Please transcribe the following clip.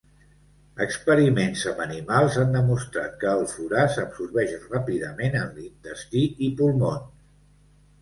Experiments amb animals han demostrat que el furà s'absorbeix ràpidament en l'intestí i pulmons.